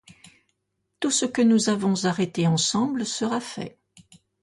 Tout ce que nous avons arrêté ensemble, sera fait.